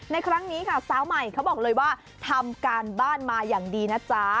ในครั้งนี้ค่ะสาวใหม่เขาบอกเลยว่าทำการบ้านมาอย่างดีนะจ๊ะ